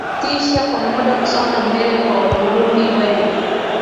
vilisitisha kwa muda kusonga mbele kwa Waturuki kwenda